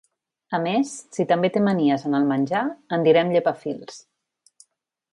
A més, si també té manies en el menjar, en direm llepafils.